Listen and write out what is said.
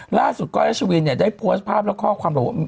ล่าสุดก็รัชวินเนี่ยได้โพสต์ภาพและข้อความหลวง